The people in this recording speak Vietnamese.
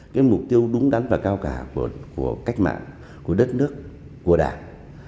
cái mục tiêu đúng đắn và cao cả của cách mạng của đất nước của đảng